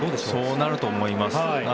そうなると思います。